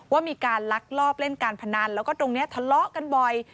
ว่ามีการลักลอบเล่นการพนันแล้วก็ตรงนี้ทะเลาะกันบ่อย